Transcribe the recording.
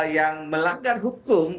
yang melanggar hukum